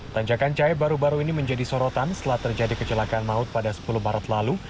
tanjakan cahaya baru baru ini menjadi sorotan setelah terjadi kecelakaan maut pada sepuluh maret lalu